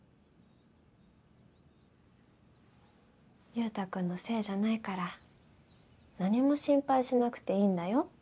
優太くんのせいじゃないから何も心配しなくていいんだよ。